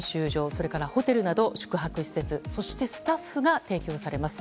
それから、ホテルなど宿泊施設そして、スタッフが提供されます。